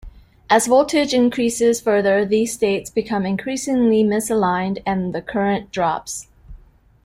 As voltage increases further, these states become increasingly misaligned and the current drops.